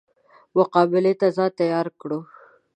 مقابلې ته ځان تیار کړو.